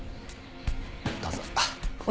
どうぞ。